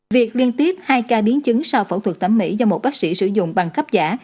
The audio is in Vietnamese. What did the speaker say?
việc liên tiếp hai ca biến chứng sau phẫu thuật thẩm mỹ do một bác sĩ sử dụng bằng cấp giả